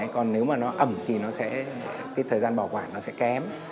còn nếu mà nó ẩm thì nó sẽ cái thời gian bảo quản nó sẽ kém